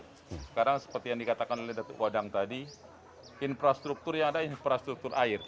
sekarang seperti yang dikatakan oleh datuk wadang tadi infrastruktur yang ada infrastruktur air